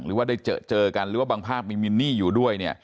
หรือว่าได้เจอเจอกันหรือว่าบางภาพมีมินนี่อยู่ด้วยเนี่ย